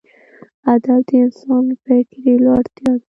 ادب د انسان فکري لوړتیا ده.